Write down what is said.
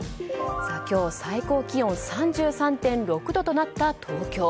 今日、最高気温３３．６度となった東京。